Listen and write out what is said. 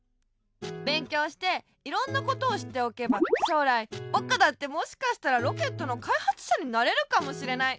べんきょうしていろんなことをしっておけばしょうらいぼくだってもしかしたらロケットのかいはつしゃになれるかもしれない。